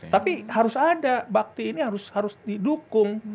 tapi harus ada bakti ini harus didukung